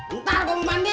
bentar gua mau mandi